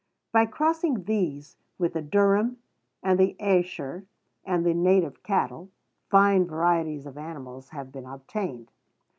By crossing these with the Durham and Ayrshire and the native cattle, fine varieties of animals have been obtained.